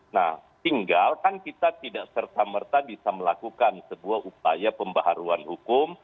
nah tinggal kan kita tidak serta merta bisa melakukan sebuah upaya pembaharuan hukum